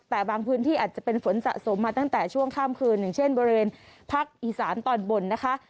แต่บางพื้นที่อาจจะเป็นฝนสะสมมาตั้งแต่ช่วงข้ามคืนอย่างเช่นบริเวณภาคอีสานตอนบนนะคะ